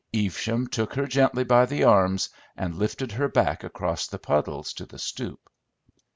Evesham took her gently by the arms and lifted her back across the puddles to the stoop.